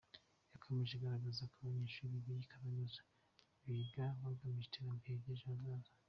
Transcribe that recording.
Yakomeje agaragaza ko abanyeshuri b’iyi Kaminuza biga bagamije iterambere ry’ejo hazaza.